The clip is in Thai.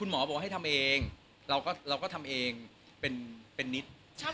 ชอบคำว่าทำเองเป็นนิต